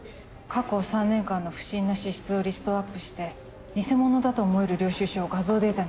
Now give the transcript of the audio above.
過去３年間の不審な支出をリストアップして偽物だと思える領収書を画像データにしました。